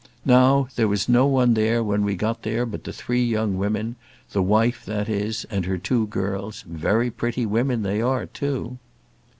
Now, there was no one there when we got there but the three young women, the wife, that is, and her two girls very pretty women they are too."